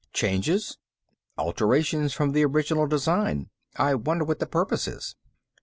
"Changes?" "Alterations from the original design. I wonder what the purpose is."